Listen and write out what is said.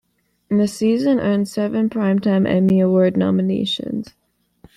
The season earned seven Primetime Emmy Award nominations.